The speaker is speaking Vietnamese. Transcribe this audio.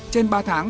trên ba tháng